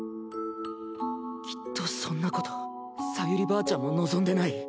きっとそんなこと小百合ばあちゃんも望んでない。